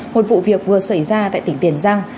một vụ việc vừa xảy ra tại tỉnh tiền giang